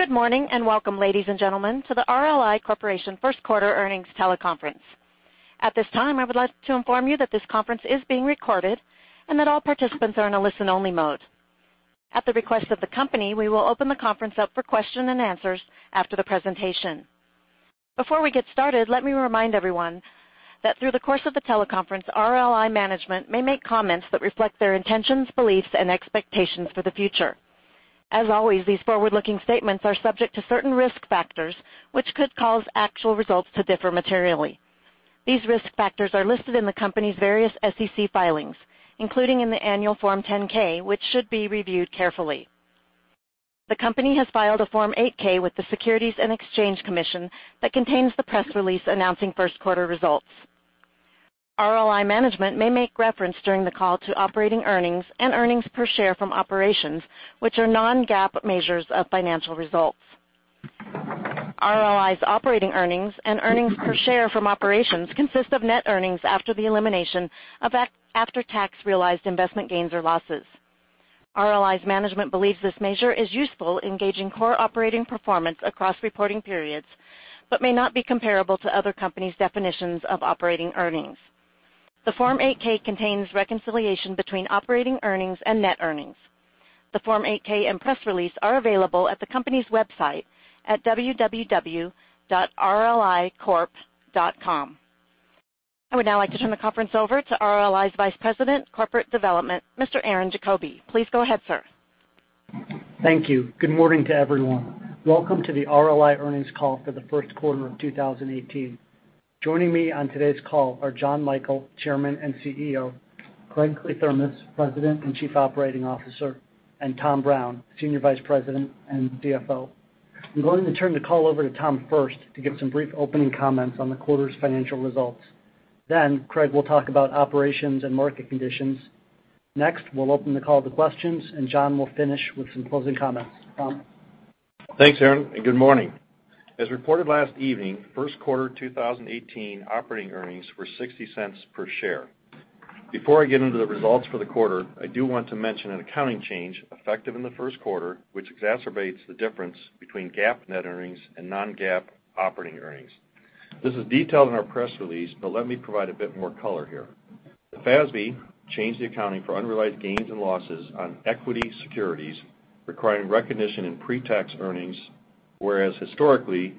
Good morning and welcome, ladies and gentlemen, to the RLI Corp. first quarter earnings teleconference. At this time, I would like to inform you that this conference is being recorded and that all participants are in a listen-only mode. At the request of the company, we will open the conference up for question and answers after the presentation. Before we get started, let me remind everyone that through the course of the teleconference, RLI management may make comments that reflect their intentions, beliefs, and expectations for the future. As always, these forward-looking statements are subject to certain risk factors, which could cause actual results to differ materially. These risk factors are listed in the company's various SEC filings, including in the annual Form 10-K, which should be reviewed carefully. The company has filed a Form 8-K with the Securities and Exchange Commission that contains the press release announcing first quarter results. RLI management may make reference during the call to operating earnings and earnings per share from operations, which are non-GAAP measures of financial results. RLI's operating earnings and earnings per share from operations consist of net earnings after the elimination of after-tax realized investment gains or losses. RLI's management believes this measure is useful in gauging core operating performance across reporting periods but may not be comparable to other companies' definitions of operating earnings. The Form 8-K contains reconciliation between operating earnings and net earnings. The Form 8-K and press release are available at the company's website at www.rlicorp.com. I would now like to turn the conference over to RLI's Vice President, Corporate Development, Mr. Aaron Diefenthaler. Please go ahead, sir. Thank you. Good morning to everyone. Welcome to the RLI earnings call for the first quarter of 2018. Joining me on today's call are Jonathan Michael, Chairman and CEO, Craig Kliethermes, President and Chief Operating Officer, and Thomas Brown, Senior Vice President and CFO. I'm going to turn the call over to Tom first to give some brief opening comments on the quarter's financial results. Craig will talk about operations and market conditions. Next, we'll open the call to questions. John will finish with some closing comments. Tom? Thanks, Aaron, and good morning. As reported last evening, first quarter 2018 operating earnings were $0.60 per share. Before I get into the results for the quarter, I do want to mention an accounting change effective in the first quarter, which exacerbates the difference between GAAP net earnings and non-GAAP operating earnings. This is detailed in our press release. Let me provide a bit more color here. The FASB changed the accounting for unrealized gains and losses on equity securities, requiring recognition in pre-tax earnings, whereas historically,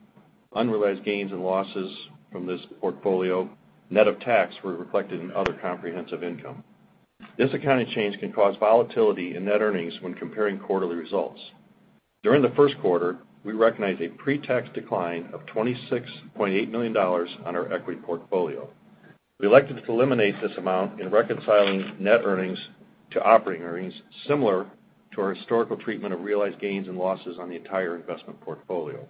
unrealized gains and losses from this portfolio, net of tax, were reflected in other comprehensive income. This accounting change can cause volatility in net earnings when comparing quarterly results. During the first quarter, we recognized a pre-tax decline of $26.8 million on our equity portfolio. We elected to eliminate this amount in reconciling net earnings to operating earnings, similar to our historical treatment of realized gains and losses on the entire investment portfolio.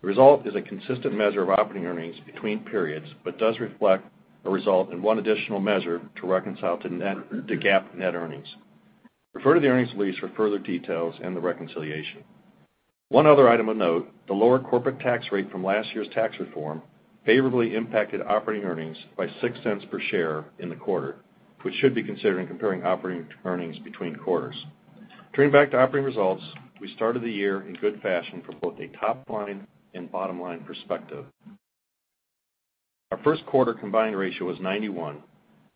The result is a consistent measure of operating earnings between periods, but does reflect a result in one additional measure to reconcile to GAAP net earnings. Refer to the earnings release for further details and the reconciliation. One other item of note, the lower corporate tax rate from last year's tax reform favorably impacted operating earnings by $0.06 per share in the quarter, which should be considered in comparing operating earnings between quarters. Turning back to operating results, we started the year in good fashion from both a top-line and bottom-line perspective. Our first quarter combined ratio was 91%.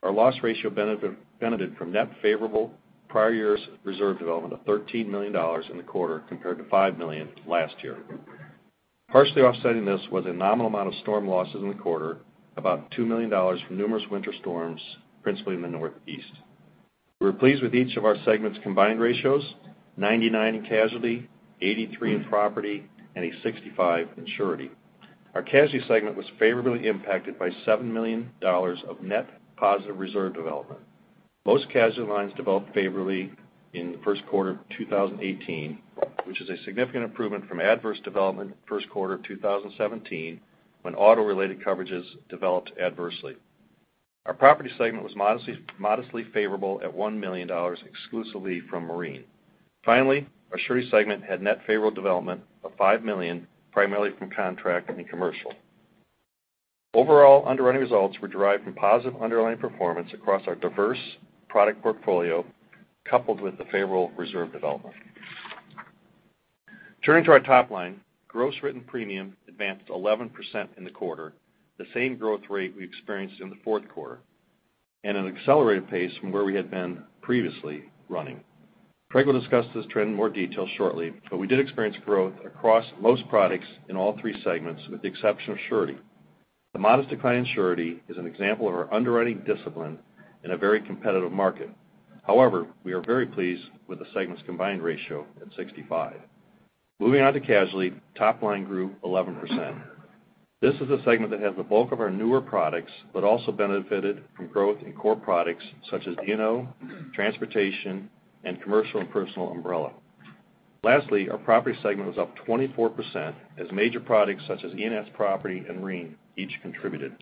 Our loss ratio benefited from net favorable prior year's reserve development of $13 million in the quarter, compared to $5 million last year. Partially offsetting this was a nominal amount of storm losses in the quarter, about $2 million from numerous winter storms, principally in the Northeast. We were pleased with each of our segments' combined ratios, 99% in Casualty, 83% in Property, and 65% in Surety. Our Casualty segment was favorably impacted by $7 million of net positive reserve development. Most Casualty lines developed favorably in the first quarter of 2018, which is a significant improvement from adverse development first quarter of 2017, when auto-related coverages developed adversely. Our Property segment was modestly favorable at $1 million, exclusively from marine. Finally, our Surety segment had net favorable development of $5 million, primarily from contract and commercial. Overall underwriting results were derived from positive underlying performance across our diverse product portfolio, coupled with the favorable reserve development. Turning to our top line, gross written premium advanced 11% in the quarter, the same growth rate we experienced in the fourth quarter, and an accelerated pace from where we had been previously running. Craig will discuss this trend in more detail shortly, but we did experience growth across most products in all three segments, with the exception of Surety. The modest decline in Surety is an example of our underwriting discipline in a very competitive market. However, we are very pleased with the segment's combined ratio at 65%. Moving on to Casualty, top line grew 11%. This is a segment that has the bulk of our newer products, but also benefited from growth in core products such as E&O, transportation, and commercial and personal umbrella. Lastly, our Property segment was up 24% as major products such as E&S property and marine each contributed.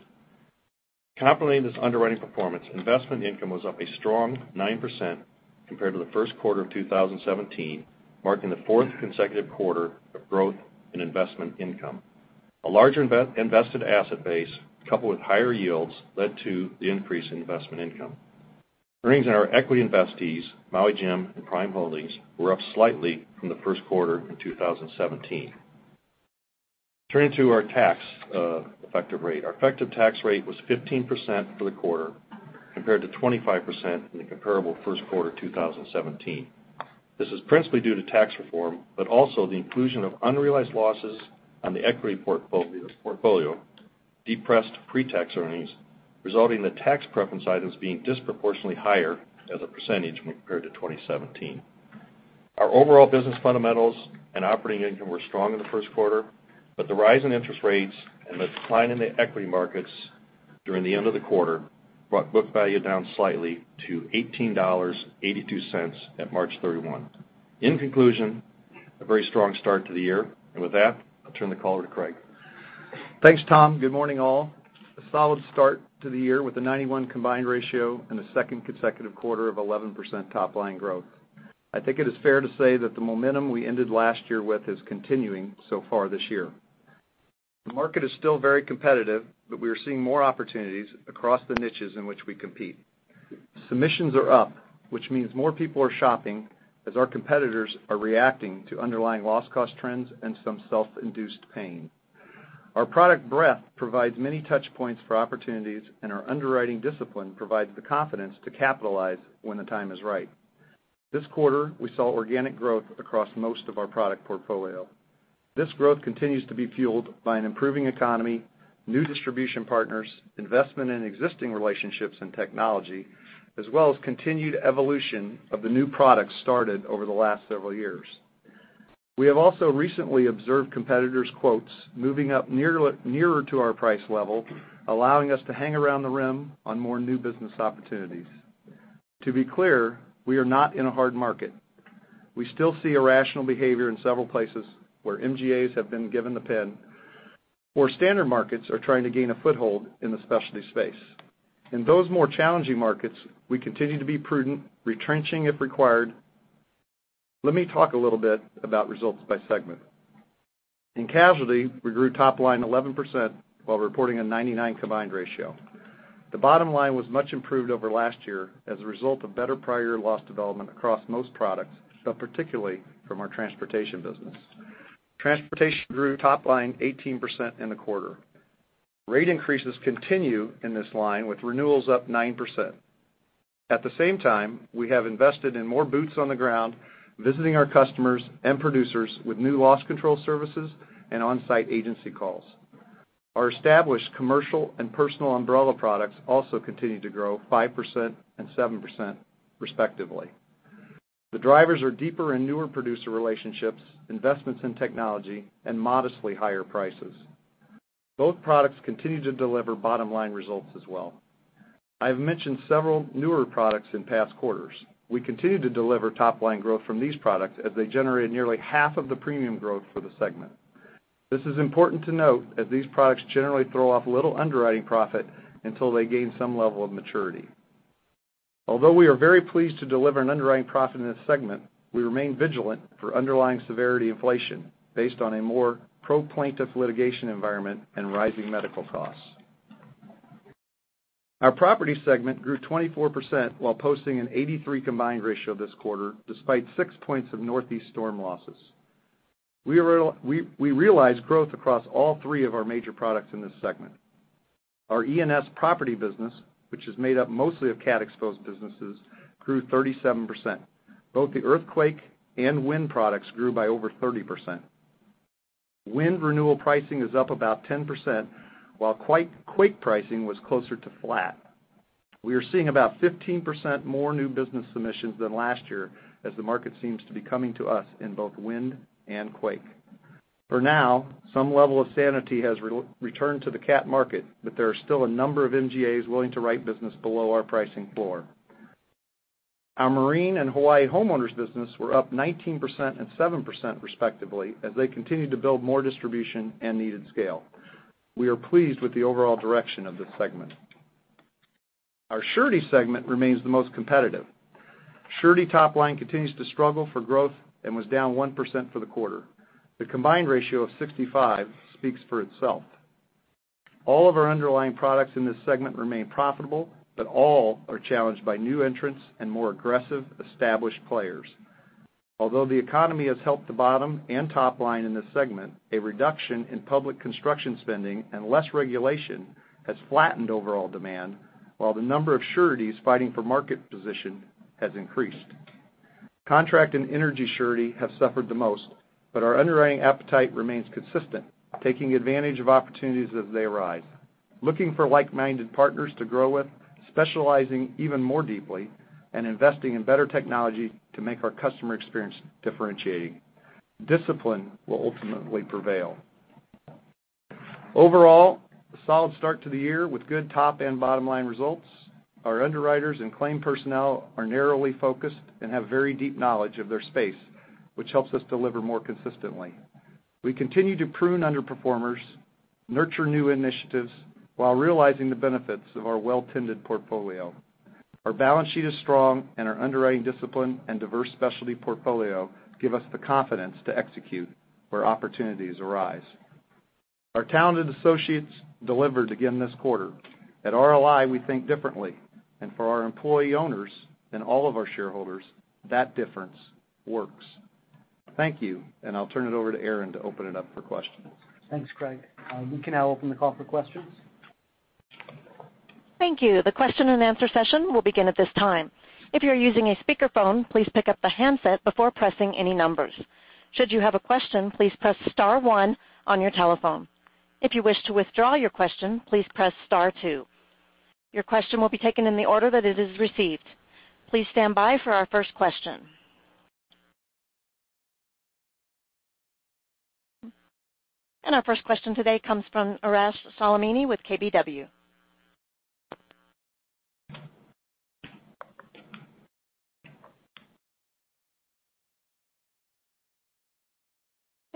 Complementing this underwriting performance, investment income was up a strong 9% compared to the first quarter of 2017, marking the fourth consecutive quarter of growth in investment income. A larger invested asset base, coupled with higher yields, led to the increase in investment income. Earnings on our equity investees, Maui Jim and Prime Holdings, were up slightly from the first quarter in 2017. Turning to our tax effective rate. Our effective tax rate was 15% for the quarter, compared to 25% in the comparable first quarter 2017. This is principally due to tax reform, but also the inclusion of unrealized losses on the equity portfolio, depressed pretax earnings, resulting in the tax preference items being disproportionately higher as a percentage when compared to 2017. Our overall business fundamentals and operating income were strong in the first quarter, the rise in interest rates and the decline in the equity markets during the end of the quarter brought book value down slightly to $18.82 at March 31. In conclusion, a very strong start to the year. With that, I'll turn the call over to Craig. Thanks, Tom. Good morning, all. A solid start to the year with a 91% combined ratio and a second consecutive quarter of 11% top-line growth. I think it is fair to say that the momentum we ended last year with is continuing so far this year. The market is still very competitive, we are seeing more opportunities across the niches in which we compete. Submissions are up, which means more people are shopping as our competitors are reacting to underlying loss cost trends and some self-induced pain. Our product breadth provides many touchpoints for opportunities, our underwriting discipline provides the confidence to capitalize when the time is right. This quarter, we saw organic growth across most of our product portfolio. This growth continues to be fueled by an improving economy, new distribution partners, investment in existing relationships and technology, as well as continued evolution of the new products started over the last several years. We have also recently observed competitors' quotes moving up nearer to our price level, allowing us to hang around the rim on more new business opportunities. To be clear, we are not in a hard market. We still see irrational behavior in several places where MGAs have been given the pen, where standard markets are trying to gain a foothold in the specialty space. In those more challenging markets, we continue to be prudent, retrenching if required. Let me talk a little bit about results by segment. In casualty, we grew top line 11% while reporting a 99% combined ratio. The bottom line was much improved over last year as a result of better prior year loss development across most products, but particularly from our transportation business. Transportation grew top line 18% in the quarter. Rate increases continue in this line, with renewals up 9%. At the same time, we have invested in more boots on the ground, visiting our customers and producers with new loss control services and on-site agency calls. Our established commercial and personal umbrella products also continue to grow 5% and 7%, respectively. The drivers are deeper and newer producer relationships, investments in technology, and modestly higher prices. Both products continue to deliver bottom-line results as well. I've mentioned several newer products in past quarters. We continue to deliver top-line growth from these products as they generated nearly half of the premium growth for the segment. This is important to note as these products generally throw off little underwriting profit until they gain some level of maturity. Although we are very pleased to deliver an underwriting profit in this segment, we remain vigilant for underlying severity inflation based on a more pro plaintiff litigation environment and rising medical costs. Our property segment grew 24% while posting an 83 combined ratio this quarter, despite six points of Northeast storm losses. We realized growth across all three of our major products in this segment. Our E&S property business, which is made up mostly of cat-exposed businesses, grew 37%. Both the earthquake and wind products grew by over 30%. Wind renewal pricing is up about 10%, while quake pricing was closer to flat. We are seeing about 15% more new business submissions than last year, as the market seems to be coming to us in both wind and quake. For now, some level of sanity has returned to the cat market, but there are still a number of MGAs willing to write business below our pricing floor. Our marine and Hawaii homeowners business were up 19% and 7%, respectively, as they continue to build more distribution and needed scale. We are pleased with the overall direction of this segment. Our surety segment remains the most competitive. Surety top line continues to struggle for growth and was down 1% for the quarter. The combined ratio of 65 speaks for itself. All of our underlying products in this segment remain profitable, but all are challenged by new entrants and more aggressive established players. Although the economy has helped the bottom and top line in this segment, a reduction in public construction spending and less regulation has flattened overall demand, while the number of sureties fighting for market position has increased. Contract and energy surety have suffered the most, but our underwriting appetite remains consistent, taking advantage of opportunities as they arise, looking for like-minded partners to grow with, specializing even more deeply, and investing in better technology to make our customer experience differentiating. Discipline will ultimately prevail. Overall, a solid start to the year with good top and bottom-line results. Our underwriters and claim personnel are narrowly focused and have very deep knowledge of their space, which helps us deliver more consistently. We continue to prune underperformers, nurture new initiatives while realizing the benefits of our well-tended portfolio. Our balance sheet is strong and our underwriting discipline and diverse specialty portfolio give us the confidence to execute where opportunities arise. Our talented associates delivered again this quarter. At RLI, we think differently, and for our employee owners and all of our shareholders, that difference works. Thank you, and I'll turn it over to Aaron to open it up for questions. Thanks, Craig. We can now open the call for questions. Thank you. The question and answer session will begin at this time. If you're using a speakerphone, please pick up the handset before pressing any numbers. Should you have a question, please press star one on your telephone. If you wish to withdraw your question, please press star two. Your question will be taken in the order that it is received. Please stand by for our first question. Our first question today comes from Arash Soleimani with KBW.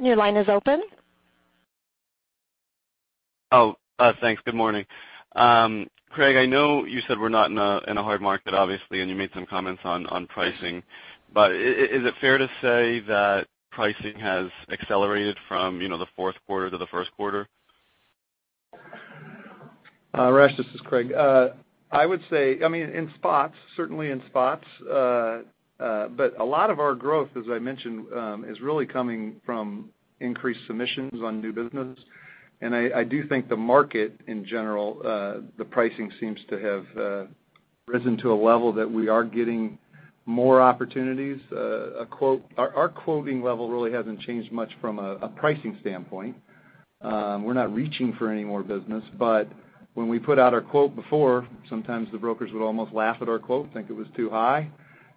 Your line is open. Thanks. Good morning. Craig, I know you said we're not in a hard market, obviously, and you made some comments on pricing. Is it fair to say that pricing has accelerated from the fourth quarter to the first quarter? Arash, this is Craig. I would say, in spots. Certainly in spots. A lot of our growth, as I mentioned, is really coming from increased submissions on new business. I do think the market in general, the pricing seems to have risen to a level that we are getting more opportunities. Our quoting level really hasn't changed much from a pricing standpoint. We're not reaching for any more business. When we put out our quote before, sometimes the brokers would almost laugh at our quote, think it was too high,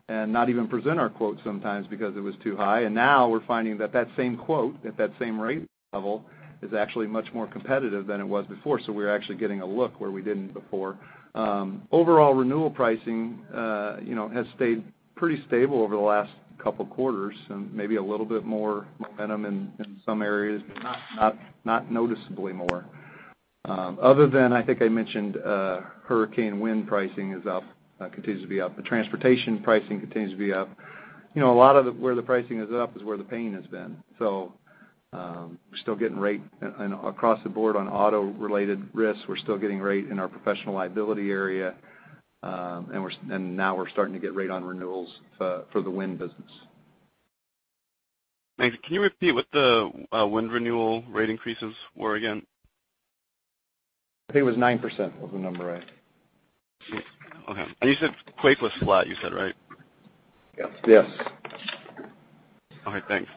and not even present our quote sometimes because it was too high. Now we're finding that that same quote at that same rate level is actually much more competitive than it was before. We're actually getting a look where we didn't before. Overall renewal pricing has stayed pretty stable over the last couple of quarters, maybe a little bit more momentum in some areas, but not noticeably more. Other than, I think I mentioned hurricane wind pricing is up, continues to be up. Transportation pricing continues to be up. A lot of where the pricing is up is where the pain has been. We're still getting rate across the board on auto-related risks. We're still getting rate in our professional liability area. Now we're starting to get rate on renewals for the wind business. Thanks. Can you repeat what the wind renewal rate increases were again? I think it was 9% was the number, right? Okay. You said quake was flat, you said, right? Yes. All right, thanks.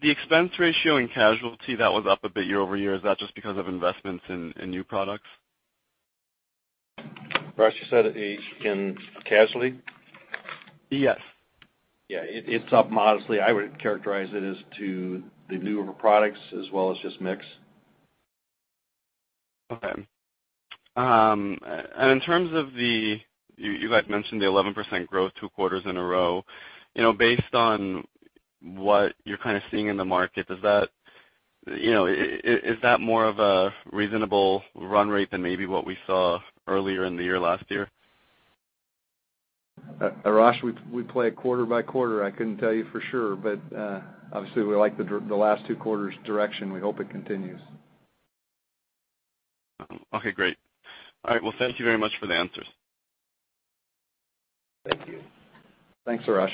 The expense ratio in casualty, that was up a bit year-over-year. Is that just because of investments in new products? Arash, you said in casualty? Yes. Yeah. It's up modestly. I would characterize it as to the newer products as well as just mix. Okay. In terms of the, you had mentioned the 11% growth two quarters in a row. Based on what you're kind of seeing in the market, is that more of a reasonable run rate than maybe what we saw earlier in the year last year? Arash, we play it quarter by quarter. I couldn't tell you for sure, but obviously we like the last two quarters direction. We hope it continues. Okay, great. All right. Well, thank you very much for the answers. Thank you. Thanks, Arash.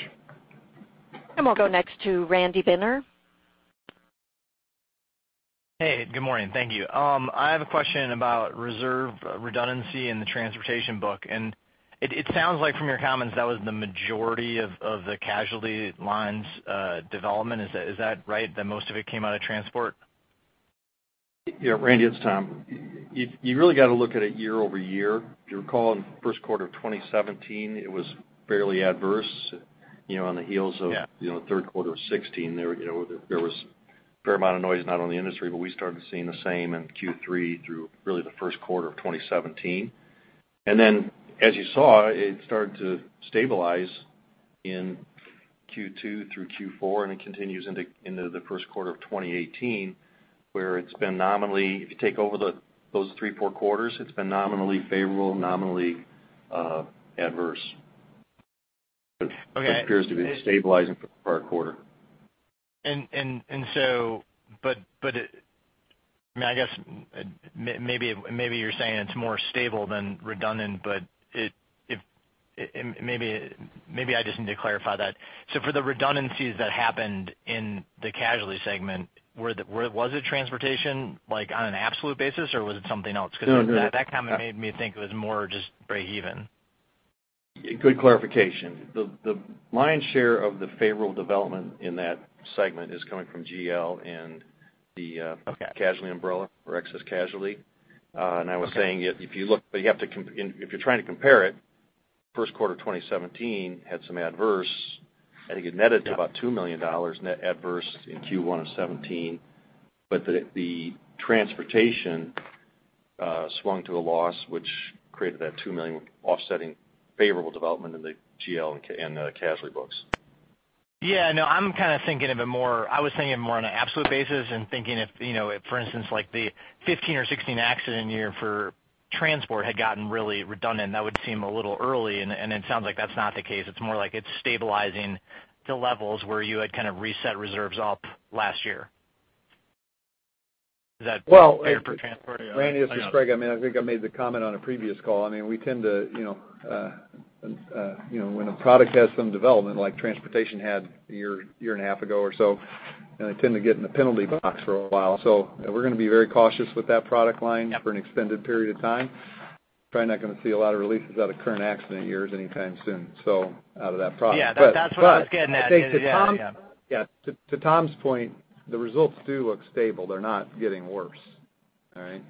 We'll go next to Randy Binner. Hey, good morning. Thank you. I have a question about reserve redundancy in the transportation book, and it sounds like from your comments, that was the majority of the casualty lines development. Is that right, that most of it came out of transport? Yeah, Randy, it's Tom. You really got to look at it year-over-year. If you recall, in the first quarter of 2017, it was fairly adverse. Yeah the third quarter of 2016. There was a fair amount of noise not only in the industry, but we started seeing the same in Q3 through really the first quarter of 2017. As you saw, it started to stabilize in Q2 through Q4, and it continues into the first quarter of 2018, where it's been nominally, if you take over those three, four quarters, it's been nominally favorable, nominally adverse. Okay. It appears to be stabilizing for the prior quarter. I guess maybe you're saying it's more stable than redundant, but maybe I just need to clarify that. For the redundancies that happened in the casualty segment, was it transportation, like on an absolute basis, or was it something else? Because that comment made me think it was more just breakeven. Good clarification. The lion's share of the favorable development in that segment is coming from GL and. Okay casualty umbrella or excess casualty. Okay. I was saying, if you're trying to compare it, first quarter 2017 had some adverse, I think it netted to about $2 million net adverse in Q1 of 2017. The transportation swung to a loss, which created that $2 million offsetting favorable development in the GL and the casualty books. Yeah, no, I'm kind of thinking of it more, I was thinking of more on an absolute basis and thinking if, for instance, like the 2015 or 2016 accident year for transport had gotten really redundant, and that would seem a little early, and it sounds like that's not the case. It's more like it's stabilizing to levels where you had kind of reset reserves up last year. Is that fair for transport? Well, Randy, this is Craig. I think I made the comment on a previous call. We tend to, when a product has some development like transportation had a year and a half ago or so, they tend to get in the penalty box for a while. We're going to be very cautious with that product line for an extended period of time. Yep. Probably not going to see a lot of releases out of current accident years anytime soon, so out of that product. Yeah. That's what I was getting at. Yeah. I think to Tom's point, the results do look stable. They're not getting worse. All right?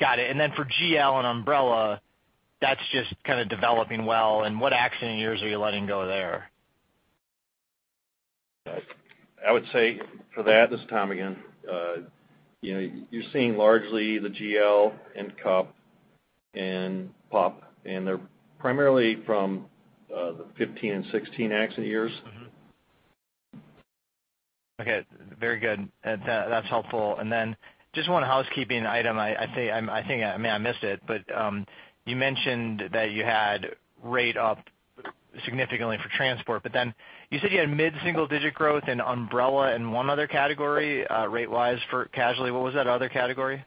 Got it. For GL and Umbrella, that's just kind of developing well, and what accident years are you letting go there? I would say for that, this is Tom again, you're seeing largely the GL and CUP and POP, they're primarily from the 2015 and 2016 accident years. Okay. Very good. That's helpful. Just one housekeeping item. I think I may have missed it, but you mentioned that you had rate up significantly for transport, but then you said you had mid-single-digit growth in Umbrella and one other category, rate-wise for casualty. What was that other category?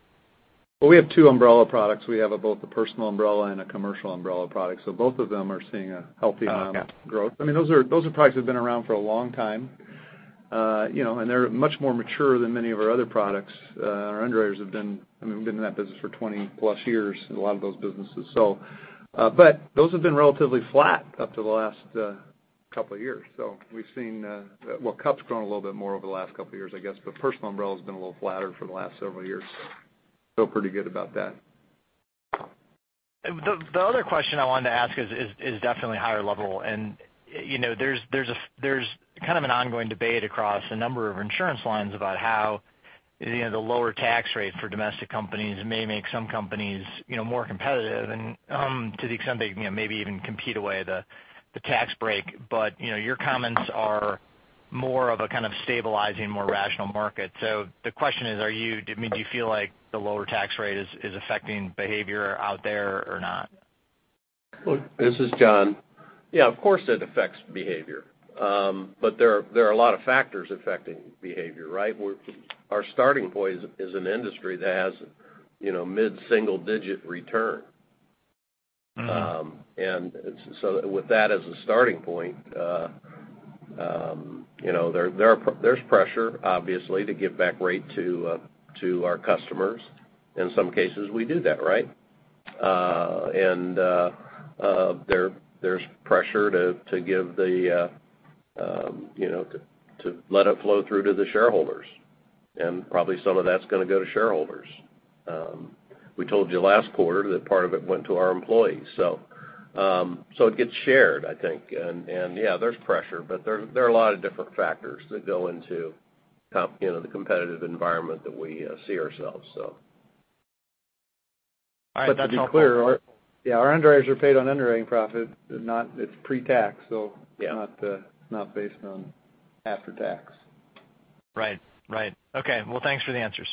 Well, we have two Umbrella products. We have both a personal Umbrella and a commercial Umbrella product. Both of them are seeing a healthy amount of growth. Okay. Those are products that have been around for a long time, and they're much more mature than many of our other products. Our underwriters have been in that business for 20-plus years, a lot of those businesses. Those have been relatively flat up to the last couple of years. We've seen, well, CUP has grown a little bit more over the last couple of years, I guess, but Personal Umbrella has been a little flatter for the last several years. Feel pretty good about that. The other question I wanted to ask is definitely higher level. There's kind of an ongoing debate across a number of insurance lines about how the lower tax rate for domestic companies may make some companies more competitive, and to the extent they maybe even compete away the tax break. Your comments are more of a kind of stabilizing, more rational market. The question is, do you feel like the lower tax rate is affecting behavior out there or not? Look, this is John. Yeah, of course, it affects behavior. There are a lot of factors affecting behavior, right? Our starting point is an industry that has mid-single digit return. With that as a starting point, there's pressure obviously to give back rate to our customers. In some cases, we do that, right? There's pressure to let it flow through to the shareholders. Probably some of that's going to go to shareholders. We told you last quarter that part of it went to our employees. It gets shared, I think. Yeah, there's pressure, but there are a lot of different factors that go into the competitive environment that we see ourselves. All right. That's helpful. To be clear, our underwriters are paid on underwriting profit. It's pre-tax, so it's not based on after-tax. Right. Okay. Well, thanks for the answers.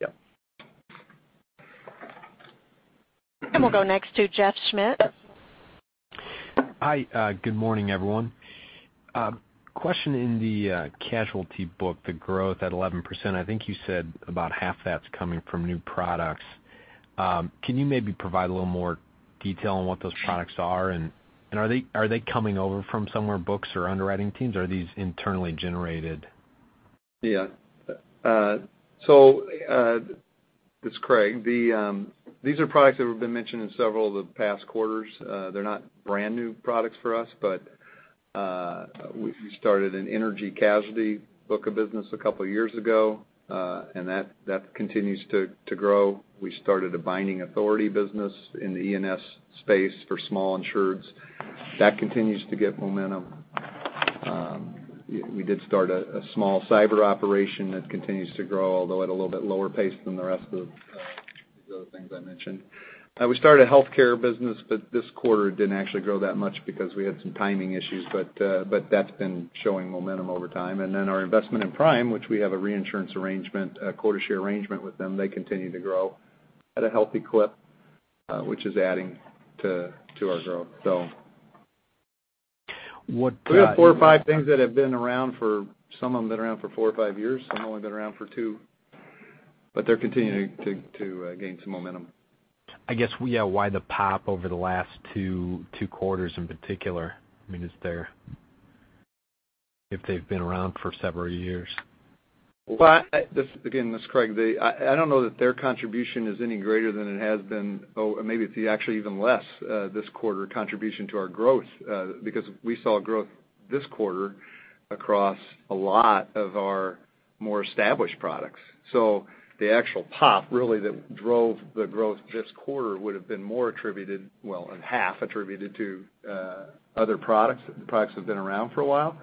Yep. We'll go next to Jeff Schmitt. Hi. Good morning, everyone. Question in the casualty book, the growth at 11%, I think you said about half that's coming from new products. Can you maybe provide a little more detail on what those products are? Are they coming over from somewhere, books or underwriting teams, or are these internally generated? Yeah. This is Craig. These are products that have been mentioned in several of the past quarters. They're not brand-new products for us, but we started an energy casualty book of business a couple of years ago. That continues to grow. We started a binding authority business in the E&S space for small insureds. That continues to get momentum. We did start a small cyber operation that continues to grow, although at a little bit lower pace than the rest of these other things I mentioned. We started a healthcare business, but this quarter didn't actually grow that much because we had some timing issues, but that's been showing momentum over time. Our investment in Prime, which we have a reinsurance arrangement, a quota share arrangement with them, they continue to grow at a healthy clip, which is adding to our growth. We have four or five things that have been around for, some of them have been around for four or five years, some have only been around for two, but they're continuing to gain some momentum. I guess, yeah, why the POP over the last two quarters in particular? Is there, if they've been around for several years? Well, again, this is Craig. I don't know that their contribution is any greater than it has been. Maybe it's actually even less this quarter contribution to our growth because we saw growth this quarter across a lot of our more established products. The actual POP really that drove the growth this quarter would've been more attributed, well, in half attributed to other products that have been around for a while.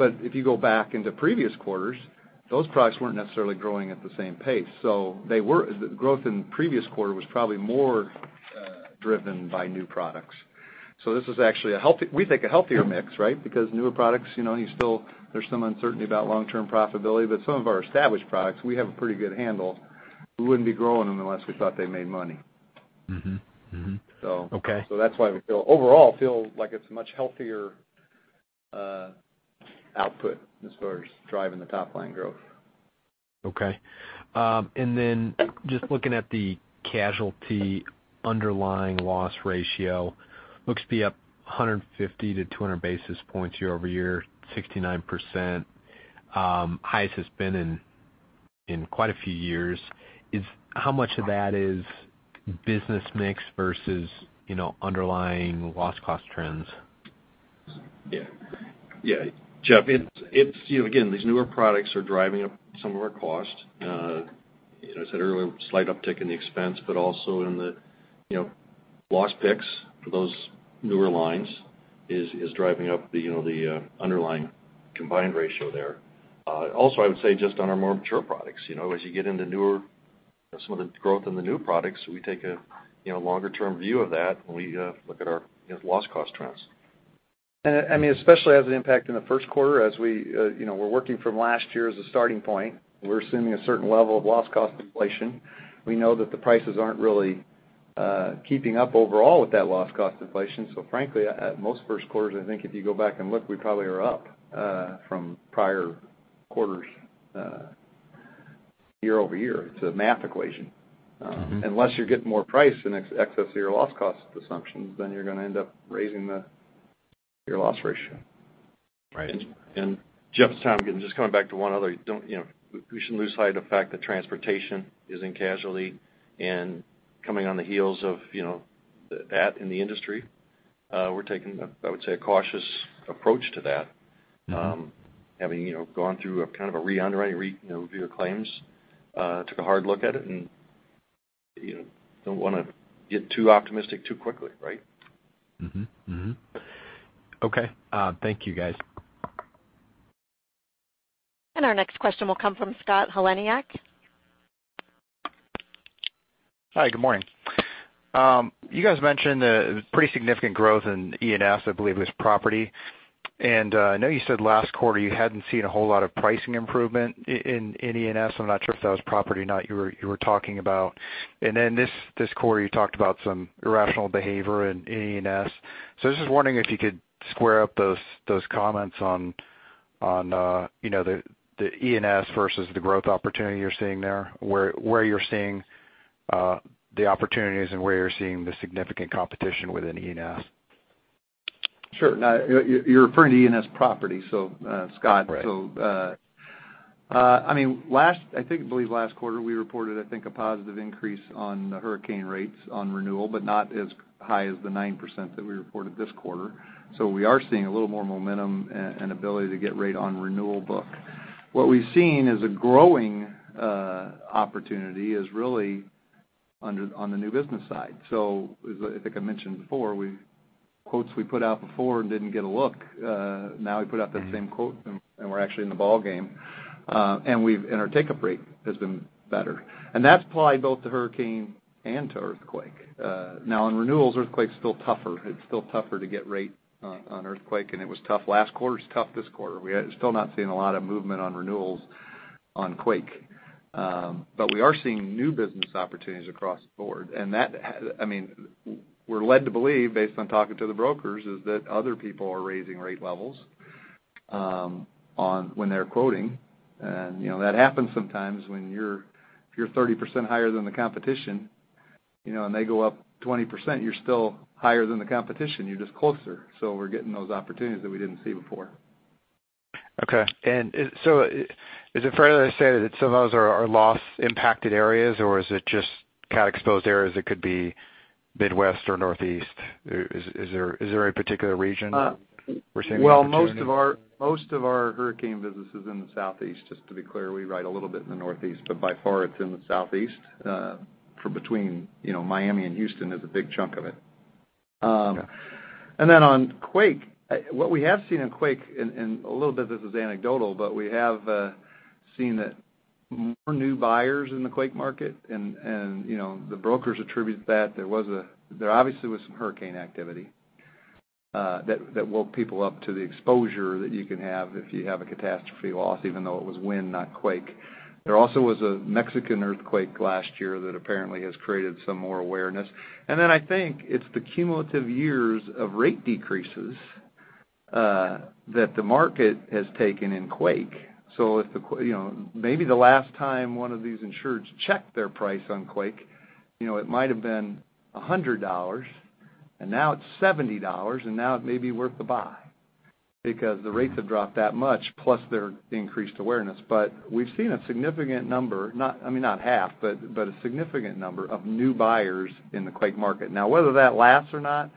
If you go back into previous quarters, those products weren't necessarily growing at the same pace. The growth in the previous quarter was probably more driven by new products. This is actually, we think, a healthier mix, right? Because newer products, there's some uncertainty about long-term profitability, but some of our established products, we have a pretty good handle. We wouldn't be growing them unless we thought they made money. Mm-hmm. Okay. that's why overall, feel like it's much healthier output as far as driving the top-line growth. Okay. just looking at the casualty underlying loss ratio, looks to be up 150 to 200 basis points year-over-year, 69%, highest it's been in quite a few years. How much of that is business mix versus underlying loss cost trends? Yeah. Jeff, again, these newer products are driving up some of our cost. As I said earlier, slight uptick in the expense, but also in the loss picks for those newer lines is driving up the underlying combined ratio there. I would say just on our more mature products. As you get into some of the growth in the new products, we take a longer term view of that when we look at our loss cost trends. especially as an impact in the first quarter as we're working from last year as a starting point, we're assuming a certain level of loss cost inflation. We know that the prices aren't really keeping up overall with that loss cost inflation. frankly, most first quarters, I think if you go back and look, we probably are up from prior quarters year-over-year. It's a math equation. Unless you're getting more price in excess of your loss cost assumptions, then you're going to end up raising your loss ratio. Right. Jeff, Tom, just coming back to one other. We shouldn't lose sight of the fact that transportation is in casualty and coming on the heels of that in the industry, we're taking, I would say, a cautious approach to that. Having gone through a kind of a re-underwriting review of claims, took a hard look at it, and don't want to get too optimistic too quickly, right? Okay. Thank you, guys. Our next question will come from Scott Heleniak. Hi, good morning. You guys mentioned a pretty significant growth in E&S, I believe it was property. I know you said last quarter you hadn't seen a whole lot of pricing improvement in E&S. I'm not sure if that was property or not you were talking about. Then this quarter, you talked about some irrational behavior in E&S. I was just wondering if you could square up those comments on the E&S versus the growth opportunity you're seeing there, where you're seeing the opportunities and where you're seeing the significant competition within E&S. Sure. You're referring to E&S property, Scott. Right. I believe last quarter we reported, I think, a positive increase on the hurricane rates on renewal, but not as high as the 9% that we reported this quarter. We are seeing a little more momentum and ability to get rate on renewal book. What we've seen is a growing opportunity is really on the new business side. I think I mentioned before, quotes we put out before didn't get a look. We put out that same quote, and we're actually in the ball game. Our take-up rate has been better. That's applied both to hurricane and to earthquake. In renewals, earthquake's still tougher. It's still tougher to get rate on earthquake, and it was tough last quarter. It's tough this quarter. We're still not seeing a lot of movement on renewals on quake. We are seeing new business opportunities across the board, and we're led to believe, based on talking to the brokers, is that other people are raising rate levels when they're quoting. That happens sometimes when if you're 30% higher than the competition, and they go up 20%, you're still higher than the competition, you're just closer. We're getting those opportunities that we didn't see before. Okay. Is it fair to say some of those are loss impacted areas, or is it just cat exposed areas that could be Midwest or Northeast? Is there a particular region we're seeing the opportunity? Well, most of our hurricane business is in the Southeast, just to be clear. We write a little bit in the Northeast, but by far it's in the Southeast, from between Miami and Houston is a big chunk of it. Okay. On quake, what we have seen on quake, and a little bit this is anecdotal, but we have seen that more new buyers in the quake market, and the brokers attribute that. There obviously was some hurricane activity that woke people up to the exposure that you can have if you have a catastrophe loss, even though it was wind, not quake. There also was a Mexican earthquake last year that apparently has created some more awareness. I think it's the cumulative years of rate decreases that the market has taken in quake. Maybe the last time one of these insureds checked their price on quake, it might have been $100, and now it's $70, and now it may be worth the buy because the rates have dropped that much, plus their increased awareness. We've seen a significant number, not half, but a significant number of new buyers in the quake market. Now whether that lasts or not,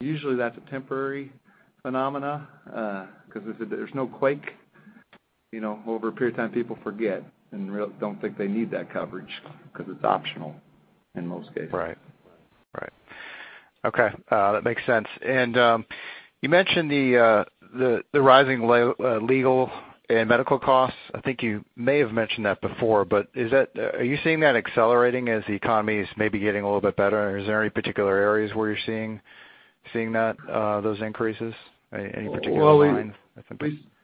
usually that's a temporary phenomena because if there's no quake, over a period of time, people forget and don't think they need that coverage because it's optional in most cases. Right. Okay. That makes sense. You mentioned the rising legal and medical costs. I think you may have mentioned that before, but are you seeing that accelerating as the economy is maybe getting a little bit better? Is there any particular areas where you're seeing those increases? Any particular line?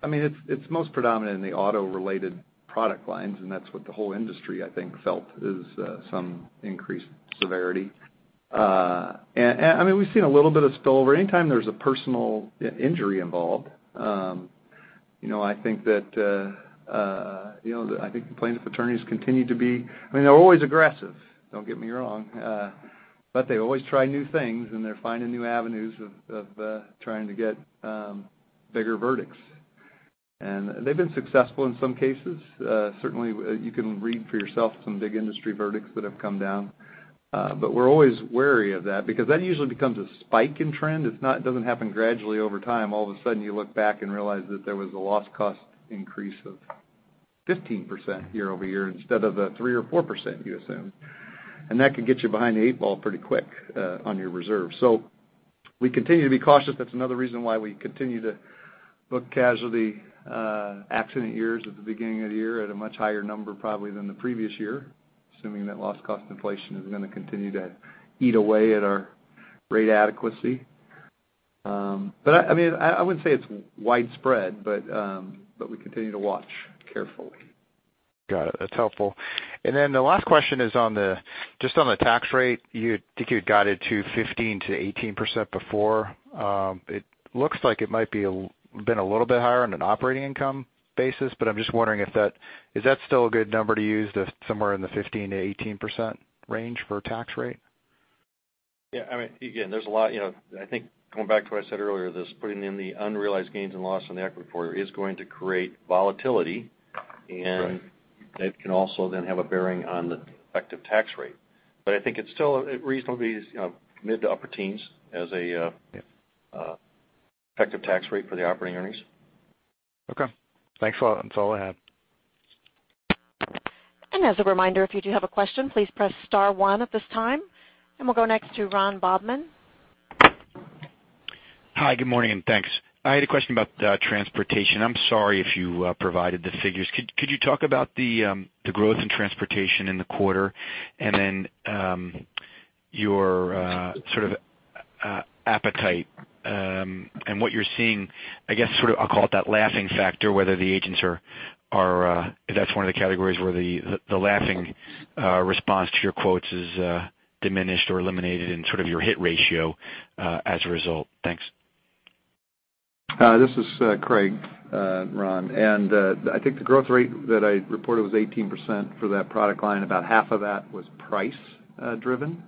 It's most predominant in the auto related product lines, and that's what the whole industry, I think, felt is some increased severity. We've seen a little bit of spill over. Anytime there's a personal injury involved, I think plaintiff attorneys continue to be they're always aggressive, don't get me wrong. They always try new things, and they're finding new avenues of trying to get bigger verdicts. They've been successful in some cases. Certainly, you can read for yourself some big industry verdicts that have come down. We're always wary of that because that usually becomes a spike in trend. It doesn't happen gradually over time. All of a sudden, you look back and realize that there was a loss cost increase of 15% year-over-year instead of the 3% or 4% you assumed. That can get you behind the eight ball pretty quick on your reserve. We continue to be cautious. That's another reason why we continue to book casualty accident years at the beginning of the year at a much higher number, probably than the previous year, assuming that loss cost inflation is going to continue to eat away at our rate adequacy. I wouldn't say it's widespread, but we continue to watch carefully. Got it. That's helpful. The last question is just on the tax rate. I think you had guided to 15%-18% before. It looks like it might been a little bit higher on an operating income basis, but I'm just wondering is that still a good number to use, somewhere in the 15%-18% range for tax rate? Yeah. Again, I think going back to what I said earlier, this putting in the unrealized gains and loss on the equity quarter is going to create volatility, and that can also then have a bearing on the effective tax rate. I think it's still reasonably mid to upper teens as a effective tax rate for the operating earnings. Okay. Thanks a lot. That's all I have. As a reminder, if you do have a question, please press *1 at this time. We'll go next to Ronald Bobman. Hi, good morning, and thanks. I had a question about transportation. I'm sorry if you provided the figures. Could you talk about the growth in transportation in the quarter and then your sort of appetite and what you're seeing, I guess sort of, I'll call it that laughing factor, whether the agents if that's one of the categories where the laughing response to your quotes is diminished or eliminated in sort of your hit ratio as a result. Thanks. This is Craig, Ron. I think the growth rate that I reported was 18% for that product line. About half of that was price driven.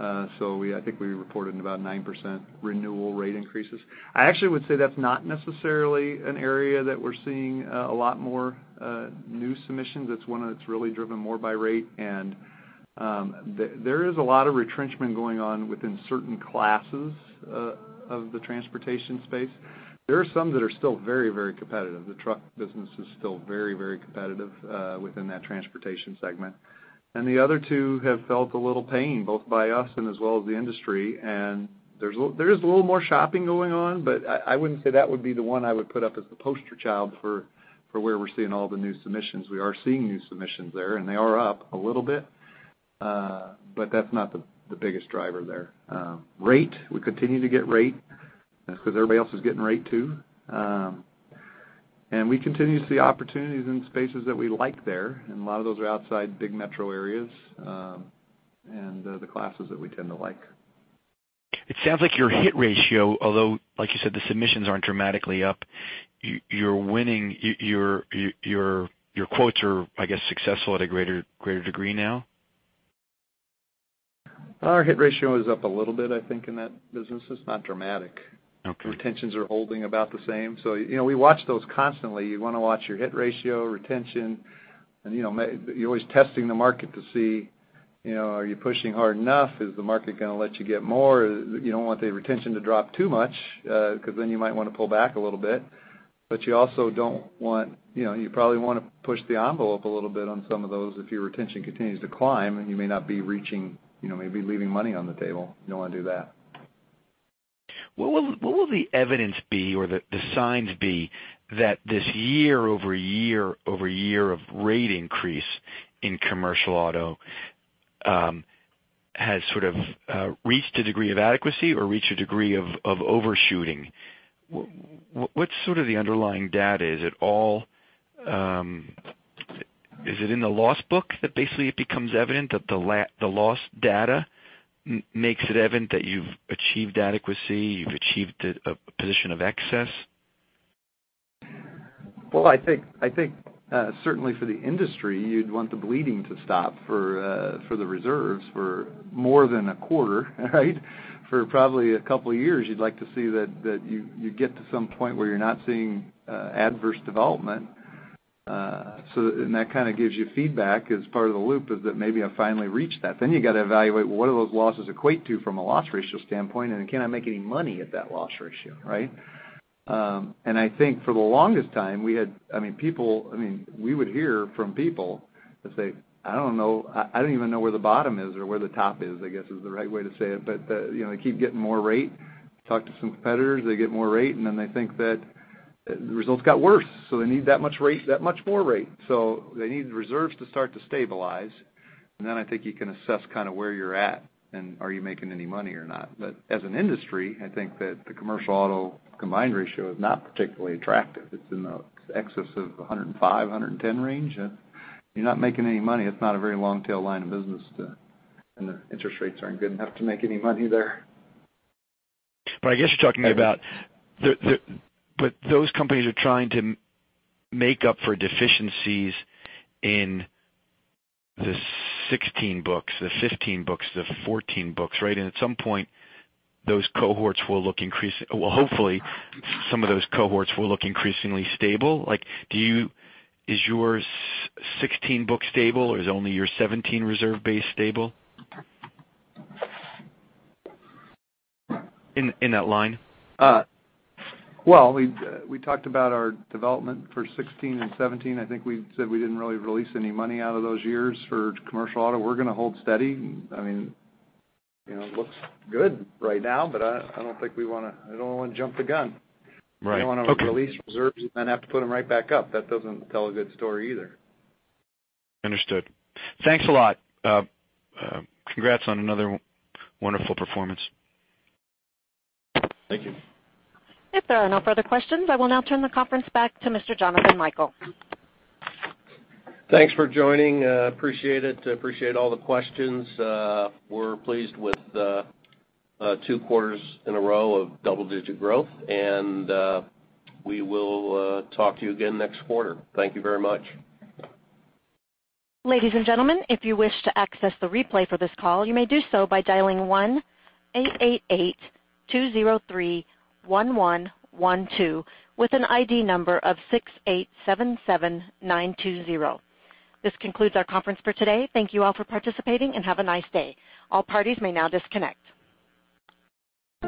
I think we reported about 9% renewal rate increases. I actually would say that's not necessarily an area that we're seeing a lot more new submissions. That's one that's really driven more by rate. There is a lot of retrenchment going on within certain classes of the transportation space. There are some that are still very competitive. The truck business is still very competitive within that transportation segment. The other two have felt a little pain, both by us and as well as the industry. There is a little more shopping going on, but I wouldn't say that would be the one I would put up as the poster child for where we're seeing all the new submissions. We are seeing new submissions there, and they are up a little bit. That's not the biggest driver there. Rate, we continue to get rate. That's because everybody else is getting rate, too. We continue to see opportunities in spaces that we like there, and a lot of those are outside big metro areas, and the classes that we tend to like. It sounds like your hit ratio, although like you said, the submissions aren't dramatically up. Your quotes are, I guess, successful at a greater degree now? Our hit ratio is up a little bit, I think, in that business. It's not dramatic. Okay. Retentions are holding about the same. We watch those constantly. You want to watch your hit ratio, retention, and you're always testing the market to see, are you pushing hard enough? Is the market going to let you get more? You don't want the retention to drop too much, because then you might want to pull back a little bit. You probably want to push the envelope a little bit on some of those if your retention continues to climb, and you may not be reaching, maybe leaving money on the table. You don't want to do that. What will the evidence be or the signs be that this year over year over year of rate increase in commercial auto has sort of reached a degree of adequacy or reached a degree of overshooting? What's sort of the underlying data? Is it in the loss book that basically it becomes evident that the loss data makes it evident that you've achieved adequacy, you've achieved a position of excess? Well, I think certainly for the industry, you'd want the bleeding to stop for the reserves for more than a quarter, right? For probably a couple of years, you'd like to see that you get to some point where you're not seeing adverse development. That kind of gives you feedback as part of the loop is that maybe I finally reached that. You got to evaluate what do those losses equate to from a loss ratio standpoint, can I make any money at that loss ratio, right? I think for the longest time, we would hear from people that say, "I don't know. I don't even know where the bottom is," or where the top is, I guess, is the right way to say it. They keep getting more rate. Talked to some competitors, they get more rate, then they think that the results got worse, they need that much more rate. They need reserves to start to stabilize, then I think you can assess where you're at, are you making any money or not. As an industry, I think that the commercial auto combined ratio is not particularly attractive. It's in the excess of 105-110 range. If you're not making any money, it's not a very long-tail line of business, and the interest rates aren't good enough to make any money there. Those companies are trying to make up for deficiencies in the 2016 books, the 2015 books, the 2014 books, right? At some point, those cohorts will look Well, hopefully, some of those cohorts will look increasingly stable. Is your 2016 book stable, or is only your 2017 reserve base stable in that line? We talked about our development for 2016 and 2017. I think we said we didn't really release any money out of those years for commercial auto. We're going to hold steady. It looks good right now, but I don't want to jump the gun. Right. Okay. We don't want to release reserves and then have to put them right back up. That doesn't tell a good story either. Understood. Thanks a lot. Congrats on another wonderful performance. Thank you. If there are no further questions, I will now turn the conference back to Mr. Jonathan Michael. Thanks for joining. Appreciate it. Appreciate all the questions. We're pleased with two quarters in a row of double-digit growth. We will talk to you again next quarter. Thank you very much. Ladies and gentlemen, if you wish to access the replay for this call, you may do so by dialing 1-888-203-1112 with an ID number of 6877920. This concludes our conference for today. Thank you all for participating and have a nice day. All parties may now disconnect.